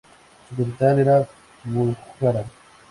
Su capital era Bujará.